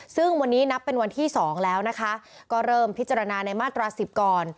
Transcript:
ซึ่งวันนี้นับเป็นวันที่๒แล้วนะคะก็เริ่มพิจารณาในมาตรา๑๐ก่อน